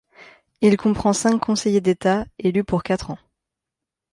Il comprend cinq conseillers d'État, élus pour quatre ans.